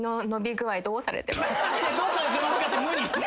「どうされてますか？」って無理！